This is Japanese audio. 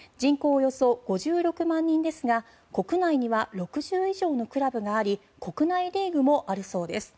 およそ５６万人ですが国内には６０以上のクラブがあり国内リーグもあるそうです。